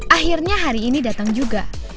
akhirnya hari ini datang juga